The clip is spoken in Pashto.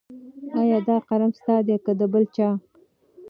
ایا دا قلم ستا دی که د بل چا؟